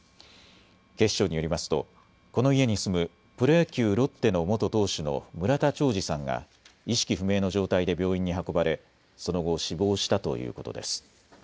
警視庁によりますとこの家に住むプロ野球、ロッテの元投手の村田兆治さんが意識不明の状態で病院に運ばれその後、死亡したということです。